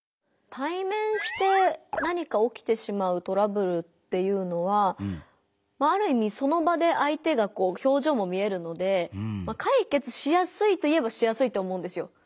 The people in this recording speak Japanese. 対面して何か起きてしまうトラブルっていうのはまあある意味その場で相手がこう表情も見えるので解決しやすいといえばしやすいと思うんですよ。